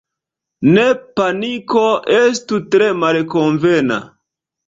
Ne, paniko estus tre malkonvena.